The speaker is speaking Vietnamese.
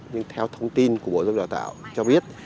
nhưng theo thông tin của bộ giáo dục đào tạo cho biết